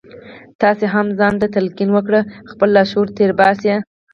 تاسې هم ځان ته تلقين وکړئ او خپل لاشعور تېر باسئ.